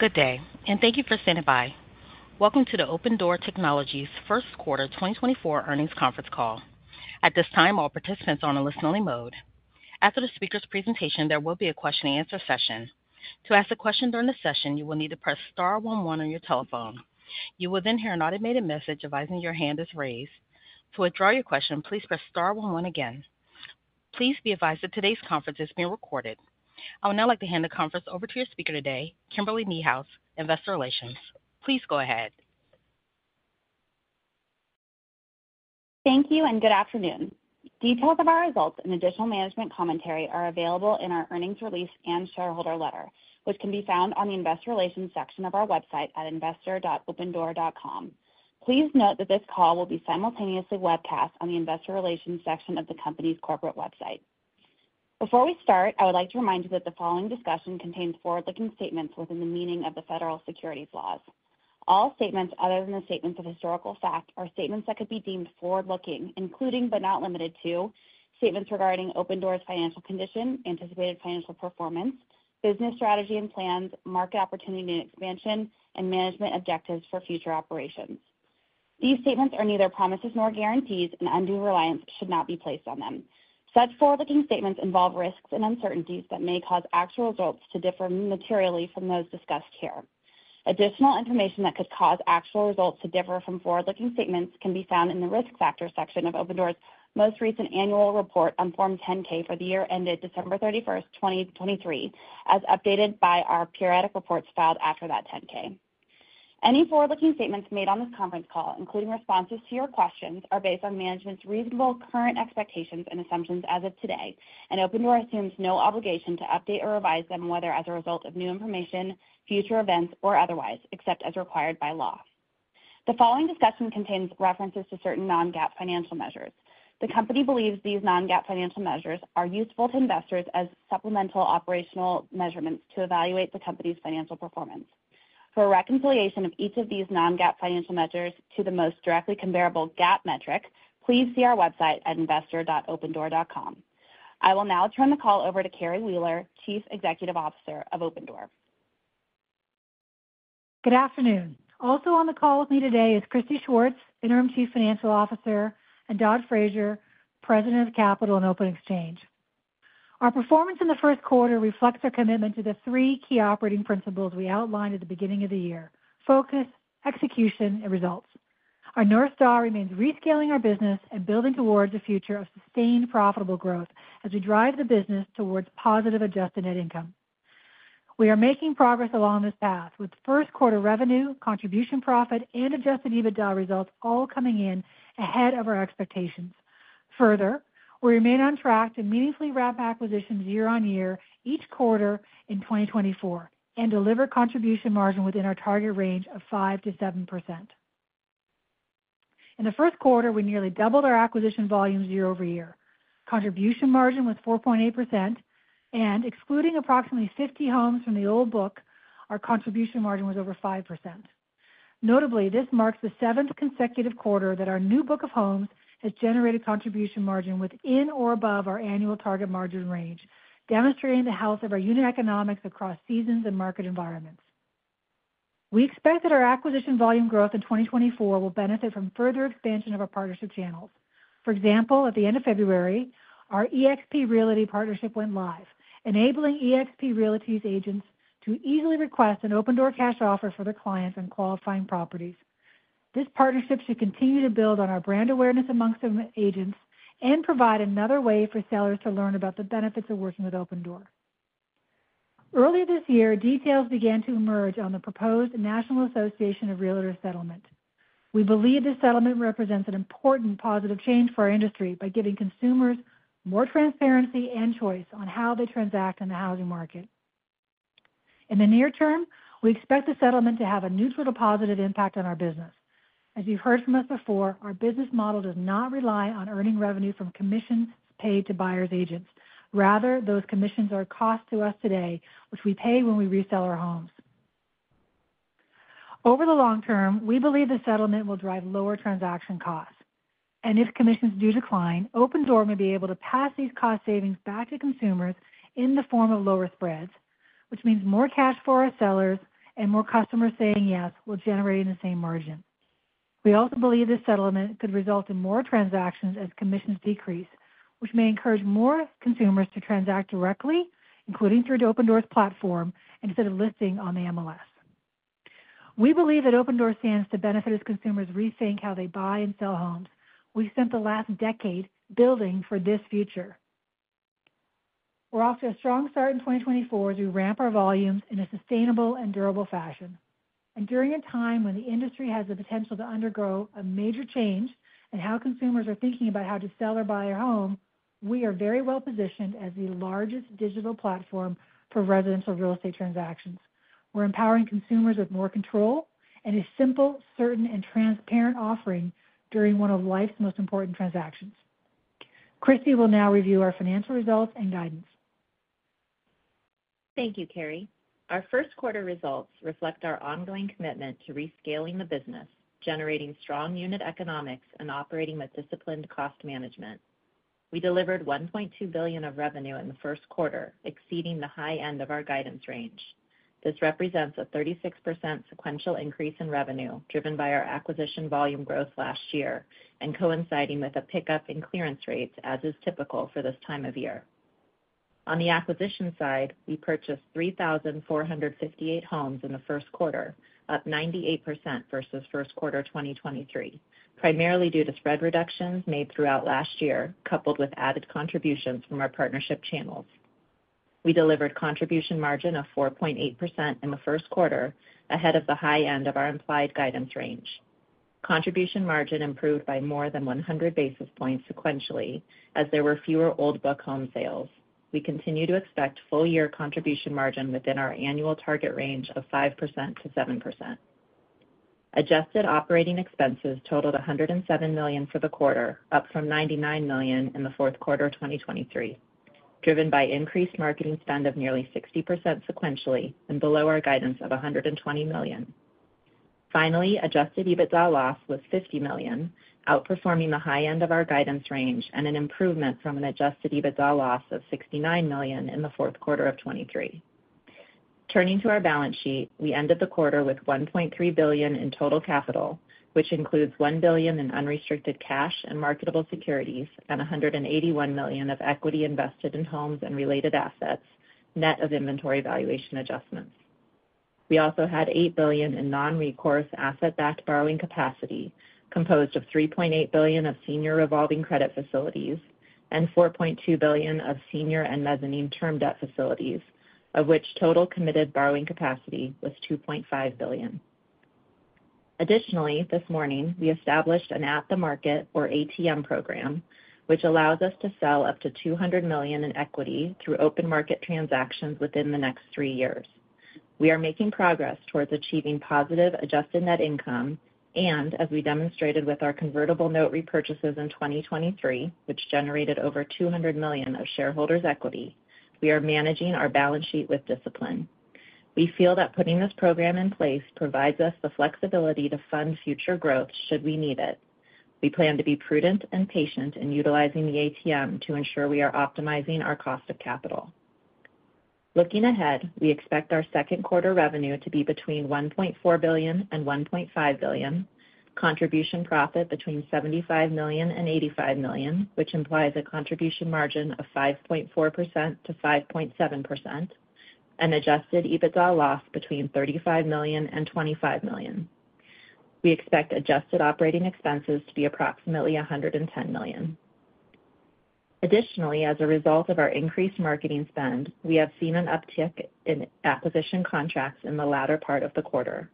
Good day, and thank you for standing by. Welcome to the Opendoor Technologies first Quarter 2024 Earnings Conference Call. At this time, all participants are on a listen-only mode. After the speaker's presentation, there will be a question-and-answer session. To ask a question during the session, you will need to press star 11 on your telephone. You will then hear an automated message advising your hand is raised. To withdraw your question, please press star 11 again. Please be advised that today's conference is being recorded. I would now like to hand the conference over to your speaker today, Kimberly Niehaus, Investor Relations. Please go ahead. Thank you and good afternoon. Details of our results and additional management commentary are available in our earnings release and shareholder letter, which can be found on the Investor Relations section of our website at investor.opendoor.com. Please note that this call will be simultaneously webcast on the Investor Relations section of the company's corporate website. Before we start, I would like to remind you that the following discussion contains forward-looking statements within the meaning of the federal securities laws. All statements other than the statements of historical fact are statements that could be deemed forward-looking, including but not limited to statements regarding Opendoor's financial condition, anticipated financial performance, business strategy and plans, market opportunity and expansion, and management objectives for future operations. These statements are neither promises nor guarantees, and undue reliance should not be placed on them. Forward-looking statements involve risks and uncertainties that may cause actual results to differ materially from those discussed here. Additional information that could cause actual results to differ from forward-looking statements can be found in the risk factors section of Opendoor's most recent annual report on Form 10-K for the year ended December 31st, 2023, as updated by our periodic reports filed after that 10-K. Forward-looking statements made on this conference call, including responses to your questions, are based on management's reasonable current expectations and assumptions as of today, and Opendoor assumes no obligation to update or revise them whether as a result of new information, future events, or otherwise, except as required by law. The following discussion contains references to certain non-GAAP financial measures. The company believes these non-GAAP financial measures are useful to investors as supplemental operational measurements to evaluate the company's financial performance. A reconciliation of each of these non-GAAP financial measures to the most directly comparable GAAP metric, please see our website at investor.opendoor.com. I will now turn the call over to Carrie Wheeler, Chief Executive Officer of Opendoor. Good afternoon. Also on the call with me today is Christy Schwartz, Interim Chief Financial Officer, and Dod Fraser, President of Capital and Open Exchange. Our performance in the first quarter reflects our commitment to the three key operating principles we outlined at the beginning of the year: focus, execution, and results. Our North Star remains rescaling our business and building towards a future of sustained profitable growth as we drive the business towards positive adjusted net income. We are making progress along this path, with first quarter revenue, contribution profit, and adjusted EBITDA results all coming in ahead of our expectations. Further, we remain on track to meaningfully wrap acquisitions year-over-year each quarter in 2024 and deliver contribution margin within our target range of 5%-7%. In the first quarter, we nearly doubled our acquisition volume year-over-year. Contribution Margin was 4.8%, and excluding approximately 50 homes from the old book, our Contribution Margin was over 5%. Notably, this marks the seventh consecutive quarter that our new book of homes has generated Contribution Margin within or above our annual target margin range, demonstrating the health of our unit economics across seasons and market environments. We expect that our acquisition volume growth in 2024 will benefit from further expansion of our partnership channels. For example, at the end of February, our eXp Realty partnership went live, enabling eXp Realty's agents to easily request an Opendoor cash offer for their clients on qualifying properties. This partnership should continue to build on our brand awareness among agents and provide another way for sellers to learn about the benefits of working with Opendoor. Earlier this year, details began to emerge on the proposed National Association of Realtors settlement. We believe this settlement represents an important positive change for our industry by giving consumers more transparency and choice on how they transact in the housing market. In the near term, we expect the settlement to have a neutral to positive impact on our business. As you've heard from us before, our business model does not rely on earning revenue from commissions paid to buyers' agents. Rather, those commissions are costs to us today, which we pay when we resell our homes. Over the long term, we believe the settlement will drive lower transaction costs. If commissions do decline, Opendoor may be able to pass these cost savings back to consumers in the form of lower spreads, which means more cash for our sellers and more customers saying yes will generate in the same margin. We also believe this settlement could result in more transactions as commissions decrease, which may encourage more consumers to transact directly, including through the Opendoor's platform, instead of listing on the MLS. We believe that Opendoor stands to benefit as consumers rethink how they buy and sell homes we spent the last decade building for this future. We're off to a strong start in 2024 as we ramp our volumes in a sustainable and durable fashion. During a time when the industry has the potential to undergo a major change in how consumers are thinking about how to sell or buy a home, we are very well positioned as the largest digital platform for residential real estate transactions. We're empowering consumers with more control and a simple, certain, and transparent offering during one of life's most important transactions. Christy will now review our financial results and guidance. Thank you, Carrie. Our first quarter results reflect our ongoing commitment to rescaling the business, generating strong unit economics, and operating with disciplined cost management. We delivered $1.2 billion of revenue in the first quarter, exceeding the high end of our guidance range. This represents a 36% sequential increase in revenue driven by our acquisition volume growth last year and coinciding with a pickup in clearance rates as is typical for this time of year. On the acquisition side, we purchased 3,458 homes in the first quarter, up 98% versus first quarter 2023, primarily due to spread reductions made throughout last year coupled with added contributions from our partnership channels. We delivered contribution margin of 4.8% in the first quarter ahead of the high end of our implied guidance range. Contribution margin improved by more than 100 basis points sequentially as there were fewer old-book home sales. We continue to expect full-year contribution margin within our annual target range of 5%-7%. Adjusted operating expenses totaled $107 million for the quarter, up from $99 million in the fourth quarter 2023, driven by increased marketing spend of nearly 60% sequentially and below our guidance of $120 million. Finally, adjusted EBITDA loss was $50 million, outperforming the high end of our guidance range and an improvement from an adjusted EBITDA loss of $69 million in the fourth quarter of 2023. Turning to our balance sheet, we ended the quarter with $1.3 billion in total capital, which includes $1 billion in unrestricted cash and marketable securities and $181 million of equity invested in homes and related assets, net of inventory valuation adjustments. We also had $8 billion in non-recourse asset-backed borrowing capacity, composed of $3.8 billion of senior revolving credit facilities and $4.2 billion of senior and mezzanine term debt facilities, of which total committed borrowing capacity was $2.5 billion. Additionally, this morning, we established an at-the-market or ATM program, which allows us to sell up to $200 million in equity through open market transactions within the next three years. We are making progress towards achieving positive adjusted net income, and as we demonstrated with our convertible note repurchases in 2023, which generated over $200 million of shareholders' equity, we are managing our balance sheet with discipline. We feel that putting this program in place provides us the flexibility to fund future growth should we need it. We plan to be prudent and patient in utilizing the ATM to ensure we are optimizing our cost of capital. Looking ahead, we expect our second quarter revenue to be between $1.4 billion-$1.5 billion, contribution profit between $75 million-$85 million, which implies a contribution margin of 5.4%-5.7%, and adjusted EBITDA loss between $35 million-$25 million. We expect adjusted operating expenses to be approximately $110 million. Additionally, as a result of our increased marketing spend, we have seen an uptick in acquisition contracts in the latter part of the quarter.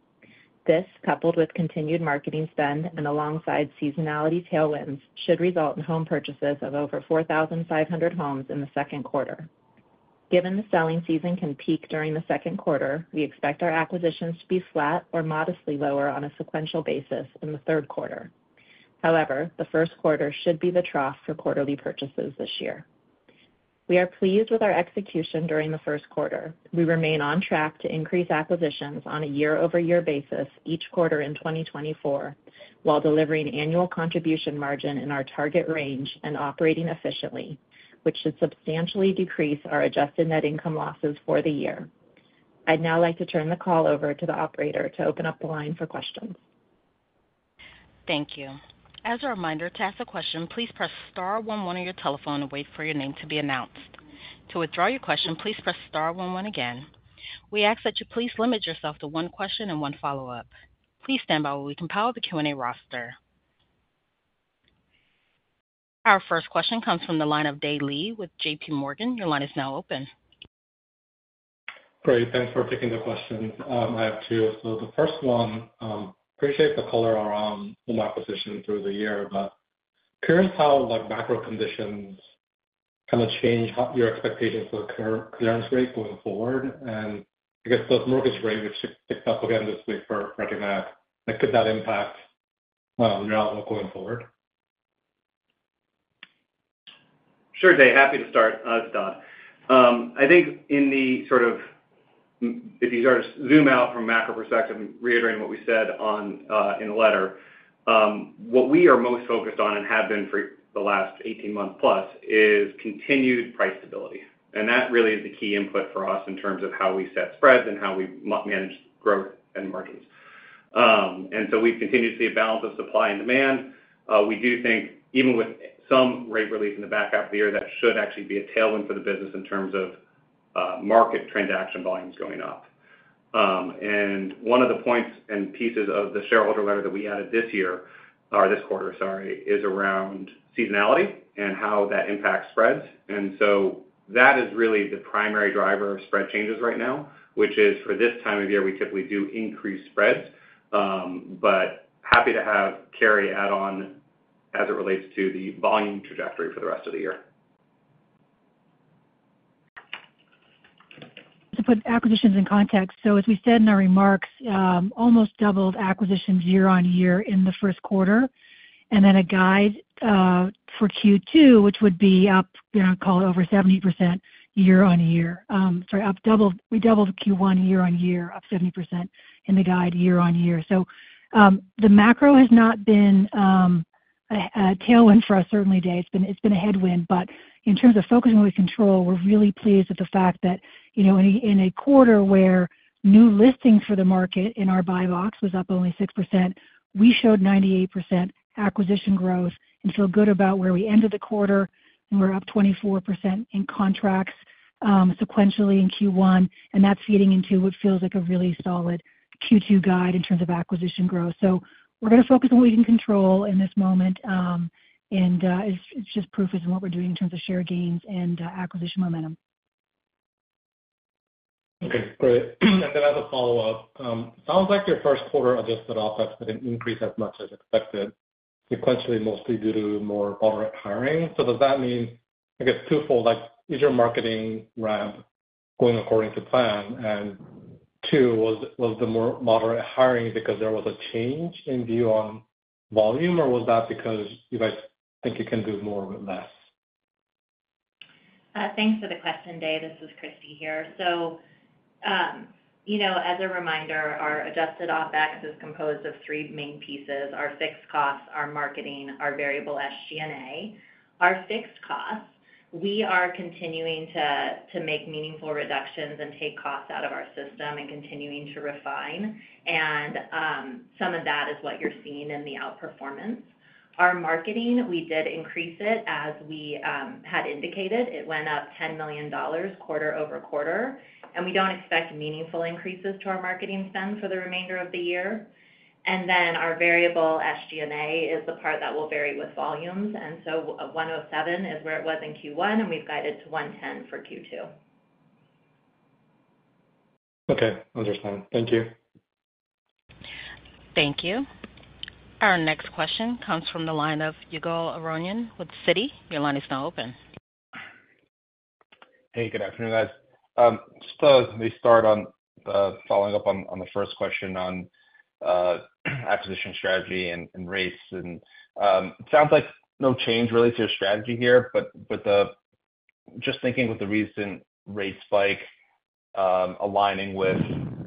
This, coupled with continued marketing spend and alongside seasonality tailwinds, should result in home purchases of over 4,500 homes in the second quarter. Given the selling season can peak during the second quarter, we expect our acquisitions to be flat or modestly lower on a sequential basis in the third quarter. However, the first quarter should be the trough for quarterly purchases this year. We are pleased with our execution during the first quarter. We remain on track to increase acquisitions on a year-over-year basis each quarter in 2024 while delivering annual Contribution Margin in our target range and operating efficiently, which should substantially decrease our Adjusted Net Income losses for the year. I'd now like to turn the call over to the operator to open up the line for questions. Thank you. As a reminder, to ask a question, please press star 11 on your telephone and wait for your name to be announced. To withdraw your question, please press star 11 again. We ask that you please limit yourself to one question and one follow-up. Please stand by while we compile the Q&A roster. Our first question comes from the line of Dae Lee with JP Morgan. Your line is now open. Great. Thanks for taking the questions. I have two. So the first one, I appreciate the color around home acquisition through the year, but curious how macro conditions kind of change your expectations for the clearance rate going forward. I guess those mortgage rates, which picked up again this week for Freddie Mac, could that impact your outlook going forward? Sure, Day. Happy to start. This is Dod. I think in the sort of if you sort of zoom out from macro perspective, reiterating what we said in the letter, what we are most focused on and have been for the last 18 months plus is continued price stability. That really is the key input for us in terms of how we set spreads and how we manage growth and margins. We've continued to see a balance of supply and demand. We do think even with some rate relief in the back half of the year, that should actually be a tailwind for the business in terms of market transaction volumes going up. One of the points and pieces of the shareholder letter that we added this year or this quarter, sorry, is around seasonality and how that impacts spreads. That is really the primary driver of spread changes right now, which is for this time of year, we typically do increase spreads. Happy to have Carrie add on as it relates to the volume trajectory for the rest of the year. To put acquisitions in context. As we said in our remarks, almost doubled acquisitions year-over-year in the first quarter. Then a guide for Q2, which would be up, I'll call it, over 70% year-over-year. Sorry, we doubled Q1 year-over-year, up 70% in the guide year-over-year. So the macro has not been a tailwind for us, certainly, Dae. It's been a headwind. In terms of focusing what we control, we're really pleased with the fact that in a quarter where new listings for the market in our Buybox was up only 6%, we showed 98% acquisition growth and feel good about where we ended the quarter. We're up 24% in contracts sequentially in Q1. That's feeding into what feels like a really solid Q2 guide in terms of acquisition growth. We're going to focus on what we can control in this moment. It's just proof as in what we're doing in terms of share gains and acquisition momentum. Okay. Great. As a follow-up, it sounds like your first quarter adjusted OpEx didn't increase as much as expected, sequentially mostly due to more moderate hiring. Does that mean, I guess, twofold? Is your marketing ramp going according to plan? Two, was the more moderate hiring because there was a change in view on volume, or was that because you guys think you can do more with less? Thanks for the question, Dae. This is Christy here. As a reminder, our Adjusted EBITDA is composed of three main pieces: our fixed costs, our marketing, our variable SG&A. Our fixed costs, we are continuing to make meaningful reductions and take costs out of our system and continuing to refine. Some of that is what you're seeing in the outperformance. Our marketing, we did increase it as we had indicated. It went up $10 million quarter-over-quarter. And we don't expect meaningful increases to our marketing spend for the remainder of the year. Then our variable SG&A is the part that will vary with volumes. So $107 is where it was in Q1, and we've guided to $110 for Q2. Okay. Understood. Thank you. Thank you. Our next question comes from the line of Ygal Arounian with Citi. Your line is now open. Hey. Good afternoon, guys. To maybe start on following up on the first question on acquisition strategy and rates. It sounds like no change really to your strategy here. Just thinking with the recent rate spike aligning with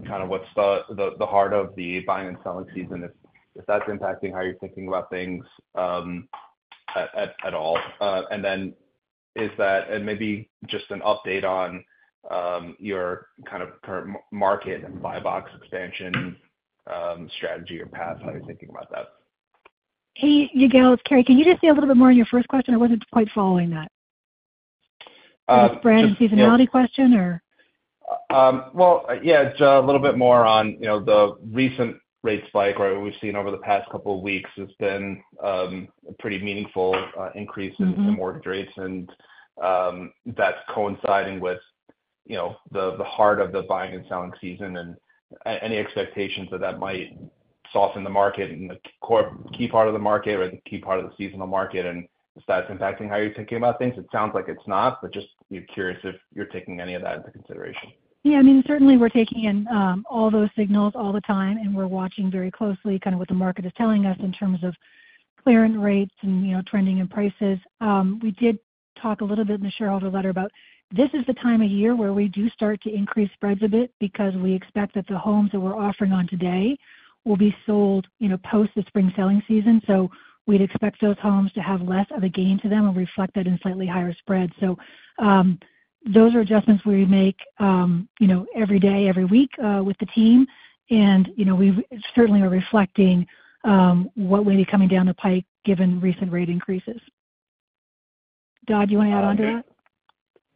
kind of what's the heart of the buying and selling season, if that's impacting how you're thinking about things at all. Then is that and maybe just an update on your kind of current market and Buy Box expansion strategy or path, how you're thinking about that. Hey, Ygal. It's Carrie. Can you just say a little bit more on your first question? I wasn't quite following that. Is it a brand seasonality question, or? Well, yeah, a little bit more on the recent rate spike, right? What we've seen over the past couple of weeks has been a pretty meaningful increase in mortgage rates. That's coinciding with the heart of the buying and selling season. Any expectations that that might soften the market and the key part of the market or the key part of the seasonal market. Is that impacting how you're thinking about things? It sounds like it's not, but just curious if you're taking any of that into consideration. Yeah. I mean, certainly, we're taking in all those signals all the time, and we're watching very closely kind of what the market is telling us in terms of clearance rates and trending in prices. We did talk a little bit in the shareholder letter about this is the time of year where we do start to increase spreads a bit because we expect that the homes that we're offering on today will be sold post the spring selling season. We'd expect those homes to have less of a gain to them and reflect that in slightly higher spreads. Those are adjustments we make every day, every week with the team. We certainly are reflecting what may be coming down the pike given recent rate increases. Dod, do you want to add on to that?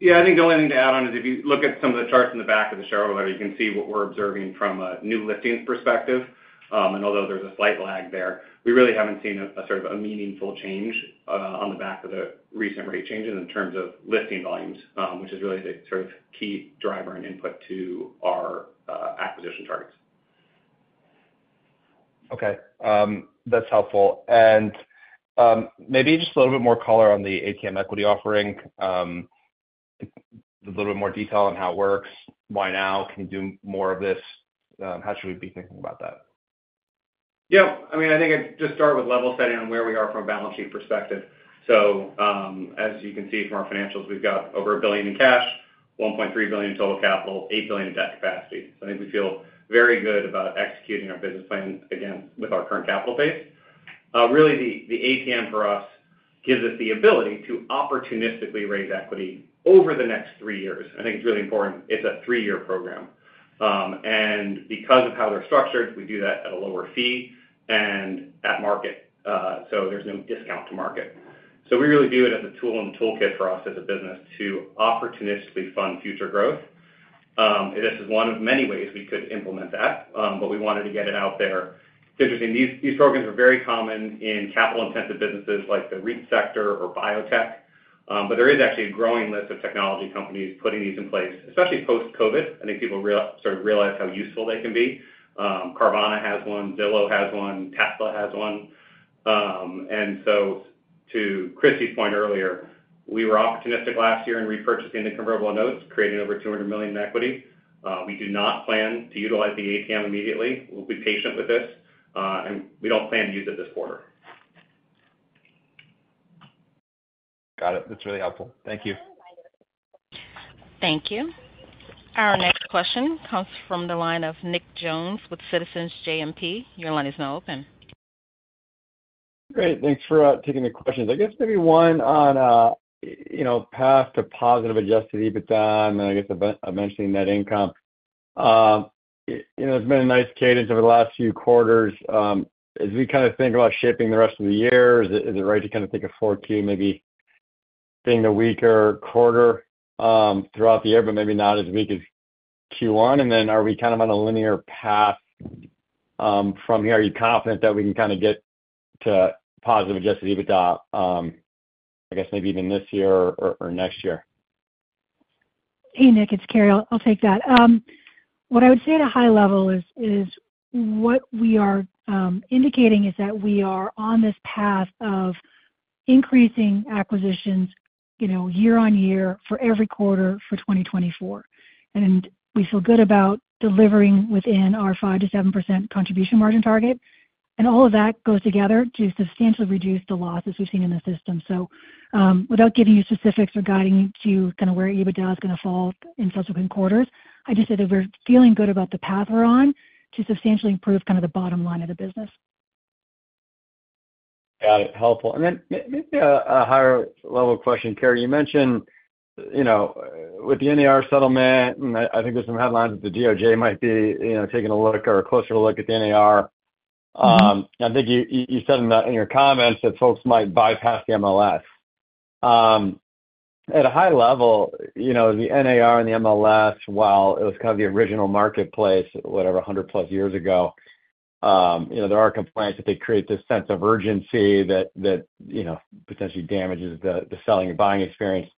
Yeah. I think the only thing to add on is if you look at some of the charts in the back of the shareholder letter, you can see what we're observing from a new listings perspective. Although there's a slight lag there, we really haven't seen a sort of a meaningful change on the back of the recent rate changes in terms of listing volumes, which is really the sort of key driver and input to our acquisition targets. Okay. That's helpful. Maybe just a little bit more color on the ATM equity offering, a little bit more detail on how it works, why now? Can you do more of this? How should we be thinking about that? Yeah. I mean, I think I'd just start with level setting on where we are from a balance sheet perspective. As you can see from our financials, we've got over $1 billion in cash, $1.3 billion in total capital, $8 billion in debt capacity. I think we feel very good about executing our business plan again with our current capital base. Really, the ATM for us gives us the ability to opportunistically raise equity over the next three years. I think it's really important. It's a three-year program. Because of how they're structured, we do that at a lower fee and at market. There's no discount to market. We really do it as a tool in the toolkit for us as a business to opportunistically fund future growth. This is one of many ways we could implement that, but we wanted to get it out there. It's interesting. These programs are very common in capital-intensive businesses like the REIT sector or biotech. There is actually a growing list of technology companies putting these in place, especially post-COVID. I think people sort of realize how useful they can be. Carvana has one. Zillow has one. Tesla has one. As Christy's point earlier, we were opportunistic last year in repurchasing the convertible notes, creating over $200 million in equity. We do not plan to utilize the ATM immediately. We'll be patient with this. We don't plan to use it this quarter. Got it. That's really helpful. Thank you. Thank you. Our next question comes from the line of Nick Jones with Citizens JMP. Your line is now open. Great. Thanks for taking the questions. I guess maybe one on path to positive Adjusted EBITDA and then, I guess, eventually net income. There's been a nice cadence over the last few quarters. As we kind of think about shaping the rest of the year, is it right to kind of think of 4Q maybe being the weaker quarter throughout the year, but maybe not as weak as Q1? Are we kind of on a linear path from here? Are you confident that we can kind of get to positive Adjusted EBITDA, I guess, maybe even this year or next year? Hey, Nick. It's Carrie. I'll take that. What I would say at a high level is what we are indicating is that we are on this path of increasing acquisitions year-over-year for every quarter for 2024. we feel good about delivering within our 5%-7% contribution margin target. All of that goes together to substantially reduce the losses we've seen in the system. without giving you specifics or guiding you to kind of where EBITDA is going to fall in subsequent quarters, I just say that we're feeling good about the path we're on to substantially improve kind of the bottom line of the business. Got it. Helpful. And then maybe a higher-level question, Carrie. You mentioned with the NAR settlement, and I think there's some headlines that the DOJ might be taking a look or a closer look at the NAR. I think you said in your comments that folks might bypass the MLS. At a high level, the NAR and the MLS, while it was kind of the original marketplace, whatever, 100-plus years ago, there are complaints that they create this sense of urgency that potentially damages the selling and buying experience.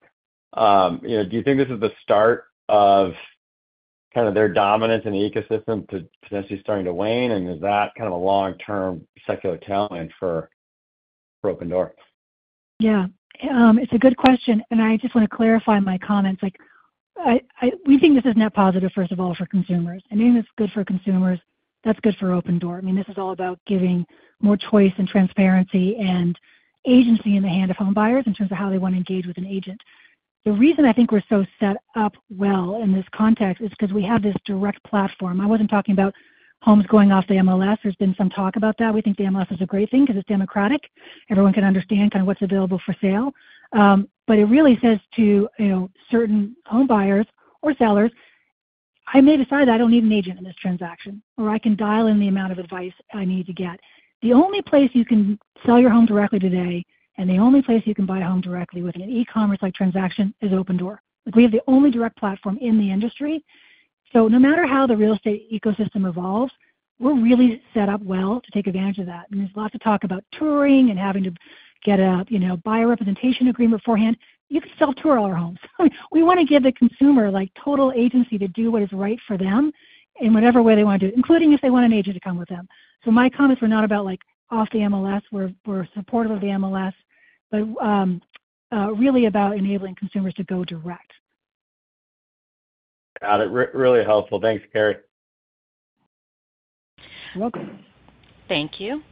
Do you think this is the start of kind of their dominance in the ecosystem to potentially starting to wane, and is that kind of a long-term secular tailwind for Opendoor? Yeah. It's a good question. I just want to clarify my comments. We think this is net positive, first of all, for consumers. Anything that's good for consumers, that's good for Opendoor. I mean, this is all about giving more choice and transparency and agency in the hands of home buyers in terms of how they want to engage with an agent. The reason I think we're so set up well in this context is because we have this direct platform. I wasn't talking about homes going off the MLS. There's been some talk about that. We think the MLS is a great thing because it's democratic. Everyone can understand kind of what's available for sale. It really says to certain home buyers or sellers, "I may decide that I don't need an agent in this transaction, or I can dial in the amount of advice I need to get." The only place you can sell your home directly today and the only place you can buy a home directly with an e-commerce-like transaction is Opendoor. We have the only direct platform in the industry. No matter how the real estate ecosystem evolves, we're really set up well to take advantage of that. There's lots of talk about touring and having to get a buyer representation agreement beforehand. You can self-tour all our homes. We want to give the consumer total agency to do what is right for them in whatever way they want to do it, including if they want an agent to come with them. My comments were not about off the MLS. We're supportive of the MLS, but really about enabling consumers to go direct. Got it. Really helpful. Thanks, Carrie. You're welcome. Thank you.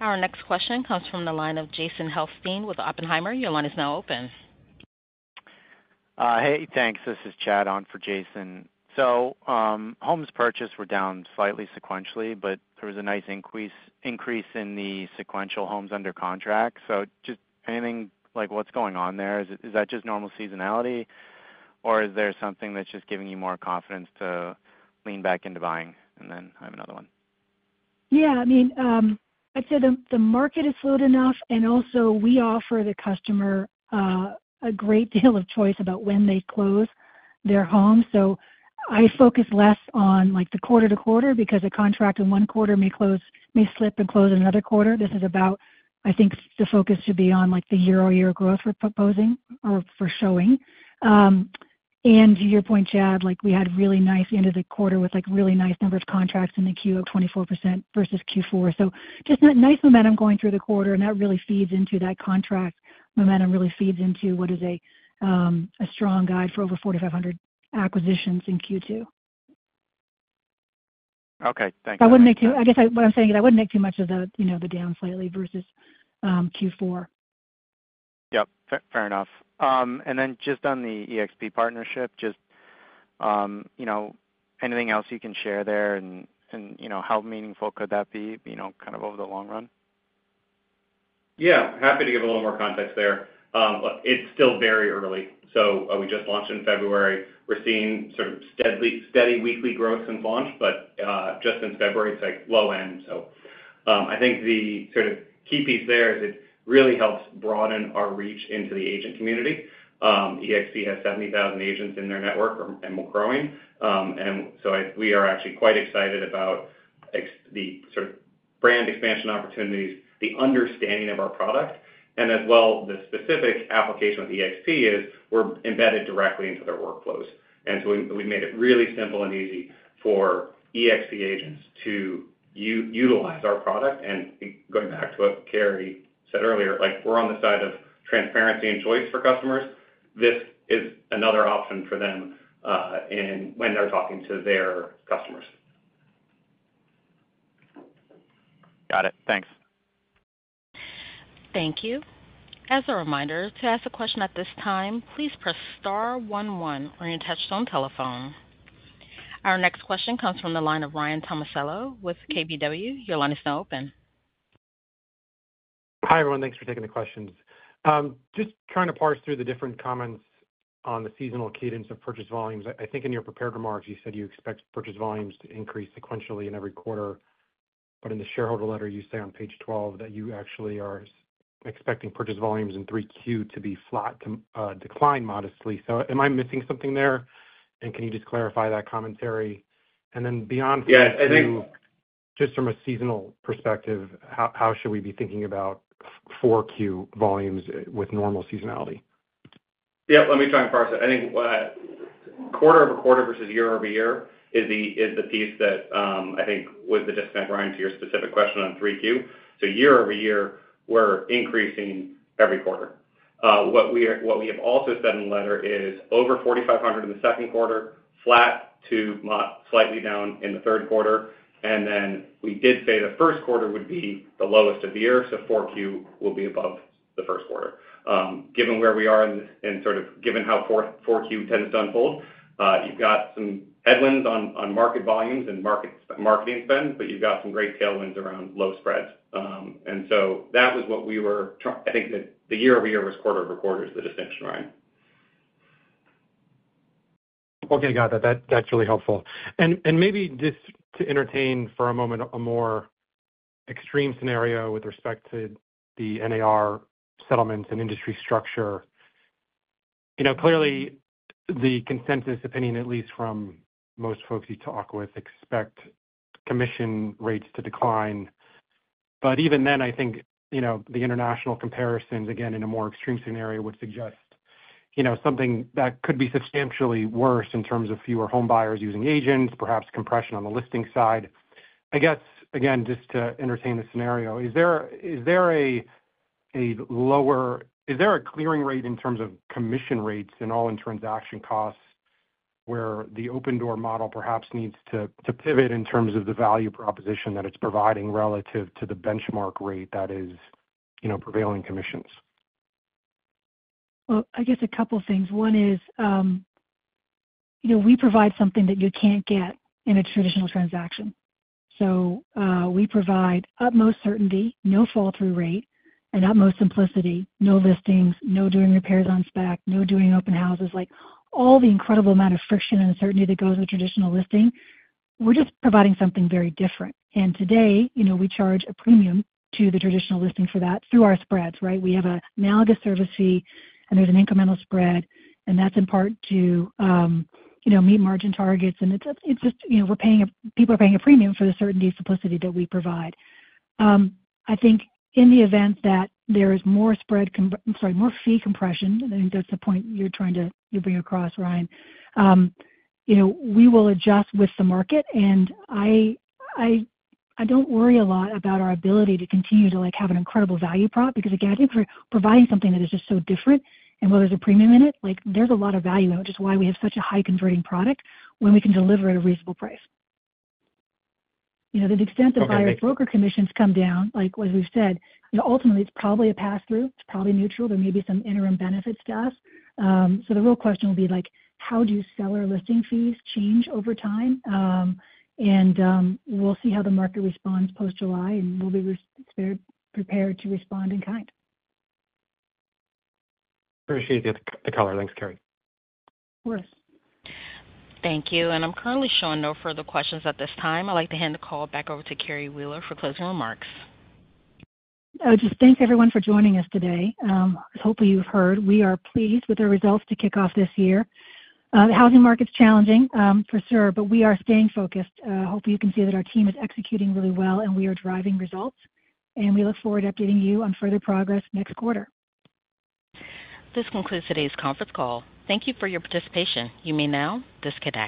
Our next question comes from the line of Jason Helfstein with Oppenheimer. Your line is now open. Hey. Thanks. This is Chad on for Jason. So homes purchased, we're down slightly sequentially, but there was a nice increase in the sequential homes under contract. Just anything like, "What's going on there? Is that just normal seasonality, or is there something that's just giving you more confidence to lean back into buying?" I have another one. Yeah. I mean, I'd say the market is fluid enough. We offer the customer a great deal of choice about when they close their home. I focus less on the quarter to quarter because a contract in one quarter may slip and close in another quarter. This is about, I think, the focus should be on the year-over-year growth we're proposing or for showing. To your point, Chad, we had a really nice end of the quarter with a really nice number of contracts in Q1 of 24% versus Q4. Nice momentum going through the quarter, and that really feeds into that contract momentum, really feeds into what is a strong guide for over 4,500 acquisitions in Q2. Okay. Thanks. I guess what I'm saying is I wouldn't make too much of the down slightly versus Q4. Yep. Fair enough. And then just on the EXP partnership, just anything else you can share there and how meaningful could that be kind of over the long run? Yeah. Happy to give a little more context there. It's still very early. We just launched in February. We're seeing sort of steady weekly growth since launch, but just since February, it's low-end. I think the sort of key piece there is it really helps broaden our reach into the agent community. EXP has 70,000 agents in their network and we're growing. We are actually quite excited about the sort of brand expansion opportunities, the understanding of our product. As well, the specific application with EXP is we're embedded directly into their workflows. We've made it really simple and easy for EXP agents to utilize our product. Going back to what Carrie said earlier, we're on the side of transparency and choice for customers. This is another option for them when they're talking to their customers. Got it. Thanks. Thank you. As a reminder, to ask a question at this time, please press star 11 on your touch-tone telephone. Our next question comes from the line of Ryan Tomasello with KBW. Your line is now open. Hi, everyone. Thanks for taking the questions. Just trying to parse through the different comments on the seasonal cadence of purchase volumes. I think in your prepared remarks, you said you expect purchase volumes to increase sequentially in every quarter. In the shareholder letter, you say on page 12 that you actually are expecting purchase volumes in 3Q to be flat, to decline modestly. So am I missing something there? Can you just clarify that commentary? Beyond 4Q, just from a seasonal perspective, how should we be thinking about 4Q volumes with normal seasonality? Yep. Let me try and parse it. I think quarter-over-quarter versus year-over-year is the piece that I think was the disconnect, Ryan, to your specific question on 3Q. So year-over-year, we're increasing every quarter. What we have also said in the letter is over 4,500 in the second quarter, flat to slightly down in the third quarter. We did say the first quarter would be the lowest of the year. So 4Q will be above the first quarter. Given where we are in sort of given how 4Q tends to unfold, you've got some headwinds on market volumes and marketing spend, but you've got some great tailwinds around low spreads. That was what we were I think that the year-over-year was quarter-over-quarter is the distinction, Ryan. Okay. Got it. That's really helpful. Maybe just to entertain for a moment a more extreme scenario with respect to the NAR settlements and industry structure, clearly, the consensus opinion, at least from most folks you talk with, expect commission rates to decline. Even then, I think the international comparisons, again, in a more extreme scenario would suggest something that could be substantially worse in terms of fewer home buyers using agents, perhaps compression on the listing side. I guess, again, just to entertain the scenario, is there a lower clearing rate in terms of commission rates and all in transaction costs where the Opendoor model perhaps needs to pivot in terms of the value proposition that it's providing relative to the benchmark rate that is prevailing commissions? Well, I guess a couple of things. One is we provide something that you can't get in a traditional transaction. So we provide utmost certainty, no fall-through rate, and utmost simplicity, no listings, no doing repairs on spec, no doing open houses. All the incredible amount of friction and uncertainty that goes with traditional listing, we're just providing something very different. Today, we charge a premium to the traditional listing for that through our spreads, right? We have an analogous service fee, and there's an incremental spread. That's in part to meet margin targets. It's just we're paying a people are paying a premium for the certainty and simplicity that we provide. I think in the event that there is more spread I'm sorry, more fee compression - I think that's the point you're trying to bring across, Ryan - we will adjust with the market. I don't worry a lot about our ability to continue to have an incredible value prop because, again, providing something that is just so different and while there's a premium in it, there's a lot of value in it, which is why we have such a high-converting product when we can deliver at a reasonable price. The extent that buyer broker commissions come down, as we've said, ultimately, it's probably a pass-through. It's probably neutral. There may be some interim benefits to us. So the real question will be like, "How do seller listing fees change over time?" And we'll see how the market responds post-July, and we'll be prepared to respond in kind. Appreciate the color. Thanks, Carrie. Of course. Thank you. I'm currently showing no further questions at this time. I'd like to hand the call back over to Carrie Wheeler for closing remarks. Oh, just thanks, everyone, for joining us today. Hopefully, you've heard. We are pleased with our results to kick off this year. The housing market's challenging, for sure, but we are staying focused. Hopefully, you can see that our team is executing really well, and we are driving results. We look forward to updating you on further progress next quarter. This concludes today's conference call. Thank you for your participation. You may now disconnect.